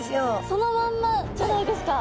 そのまんまじゃないですか。